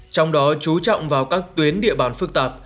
trong đó chú trọng vào các tuyến địa bàn phức tạp